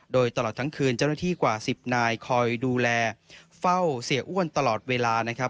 โดยตลอดทั้งคืนเจ้าหน้าที่กว่า๑๐นายคอยดูแลเฝ้าเสียอ้วนตลอดเวลานะครับ